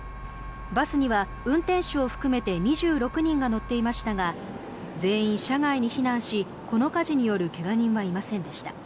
バスには運転手を含めて２６人が乗っていましたが全員、車外に避難しこの火事による怪我人はいませんでした。